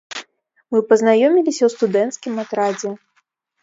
Мы пазнаёміліся ў студэнцкім атрадзе.